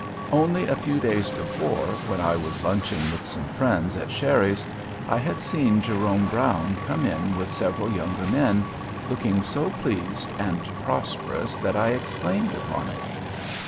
Only a few days before, when I was lunching with some friends at Sherry's, I had seen Jerome Brown come in with several younger men, looking so pleased and prosperous that I exclaimed upon it.